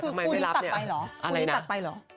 คือคู่นี้ตัดไปเหรอ